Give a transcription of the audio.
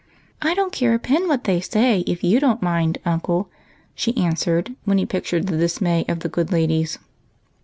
"I don't care a pin what they say if you don't mind, uncle," she answered, when he pictured the dismay of the good ladies.